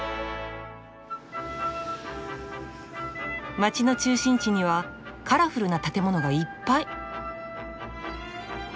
街の中心地にはカラフルな建物がいっぱい。